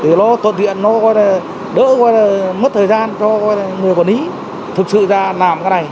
thì nó thuận lợi nó đỡ mất thời gian cho người quản lý thực sự ra làm cái này